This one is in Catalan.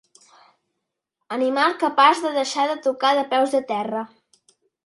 Animal capaç de deixar de tocar de peus a terra.